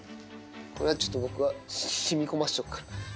これはちょっと僕がしみこませておくから。